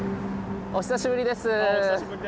あお久しぶりです。